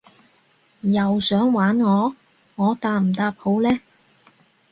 又想玩我？我答唔答好呢？